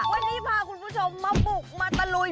วันนี้พาคุณผู้ชมมาบุกมาตะลุย